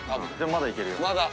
まだいけるよ。